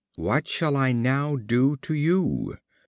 What shall I now do to you?"